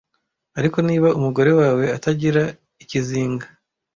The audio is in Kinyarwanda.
ariko niba umugore wawe atagira ikizinga